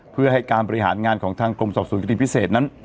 เพื่อให้การบริหารงานของทางกรมสอบสวนคดีพิเศษนั้น